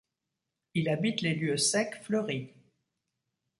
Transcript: Il habite les lieux secs fleuris.